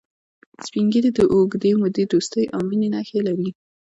سپین ږیری د اوږدې مودې دوستی او مینې نښې لري